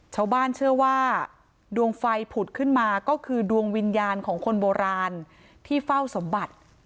ชาวบ้านเชื่อว่าดวงไฟผุดขึ้นมาก็คือดวงวิญญาณของคนโบราณที่เฝ้าสมบัติ